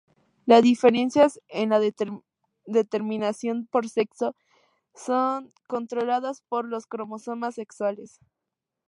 Las diferencias en la determinación por sexo son controladas por los cromosomas sexuales.